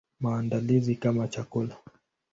Maandalizi kama chakula.